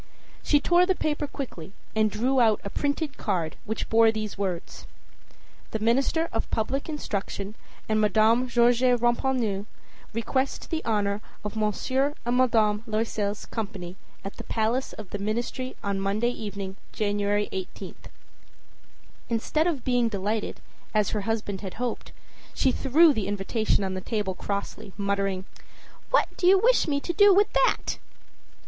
â She tore the paper quickly and drew out a printed card which bore these words: The Minister of Public Instruction and Madame Georges Ramponneau request the honor of M. and Madame Loisel's company at the palace of the Ministry on Monday evening, January 18th. Instead of being delighted, as her husband had hoped, she threw the invitation on the table crossly, muttering: âWhat do you wish me to do with that?